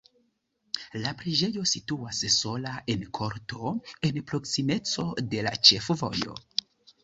La preĝejo situas sola en korto en proksimeco de la ĉefvojo.